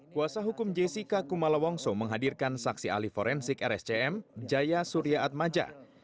kuasa hukum jessica kumala wongso menghadirkan saksi ahli forensik rscm jaya surya atmaja